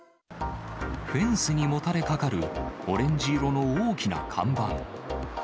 フェンスにもたれかかる、オレンジ色の大きな看板。